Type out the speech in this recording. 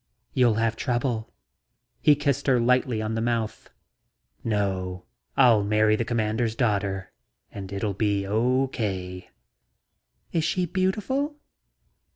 "You'll have trouble..." He kissed her lightly on the mouth. "No. I'll marry the Commander's daughter and it'll all be okay." "Is she beautiful?"